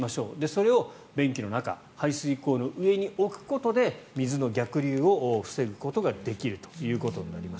それを便器の中排水口の上に置くことで水の逆流を防ぐことができるということになります。